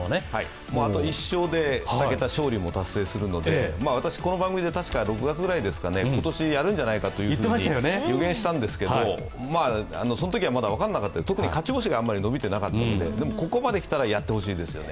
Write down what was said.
あと１勝で２桁勝利も達成するので私、６月ぐらいですか、今年やるんじゃないかと予言したんですけど、そのときはまだ分からなかった、特に勝ち星がまだ伸びてなかったので、でも、ここまできたらやってほしいですよね。